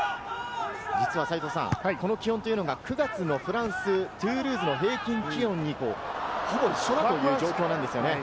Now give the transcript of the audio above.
実は、この気温というのが、９月のフランス・トゥールーズの平均気温とほぼ一緒だという状況なんですね。